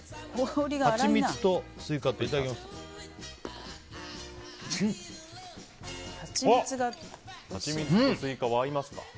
はちみつとスイカいただきます。